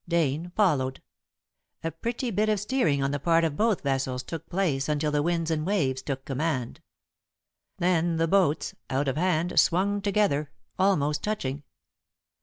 Dane followed. A pretty bit of steering on the part of both vessels took place until the winds and waves took command. Then the boats, out of hand, swung together, almost touching.